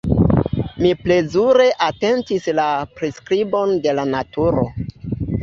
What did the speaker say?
Mi plezure atentis la priskribon de la naturo.